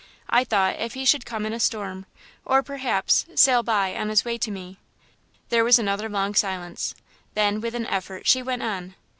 I thought, if he should come in a storm, or, perhaps, sail by, on his way to me " There was another long silence, then, with an effort, she went on.